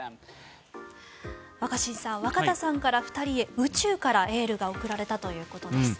若新さん若田さんから２人へ宇宙からエールが送られたということです。